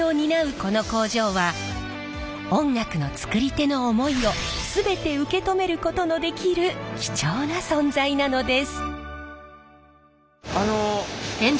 この工場は音楽のつくり手の思いを全て受け止めることのできる貴重な存在なのです。